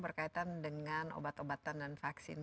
berkaitan dengan obat obatan dan vaksin